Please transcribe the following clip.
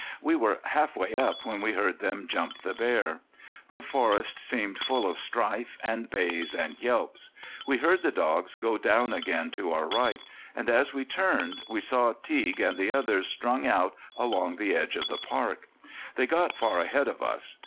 We were half way up when we heard them jump the bear. The forest seemed full of strife and bays and yelps. We heard the dogs go down again to our right, and as we turned we saw Teague and the others strung out along the edge of the park. They got far ahead of us.